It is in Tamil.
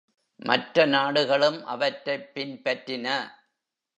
மற்ற நாடுகளும் அவற்றைப் பின்பற்றின.